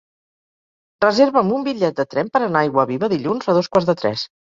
Reserva'm un bitllet de tren per anar a Aiguaviva dilluns a dos quarts de tres.